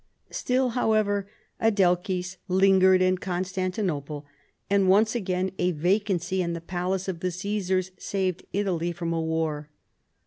Still, however, Adelchis lingered in Constantinople and once again a vacancy in the palace of the Caesars saved Italy from a war.